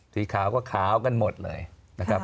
สีขาวก็ขาวกันหมดเลยนะครับ